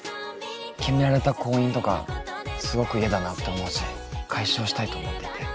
決められた婚姻とかすごく嫌だなって思うし解消したいと思っていて。